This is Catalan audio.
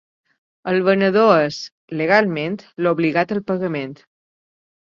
El venedor és, legalment, l'obligat al pagament.